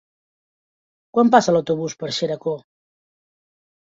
Quan passa l'autobús per Xeraco?